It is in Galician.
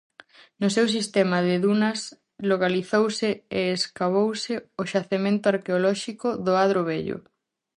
No seu sistema de dunas localizouse e escavouse o xacemento arqueolóxico do Adro Vello.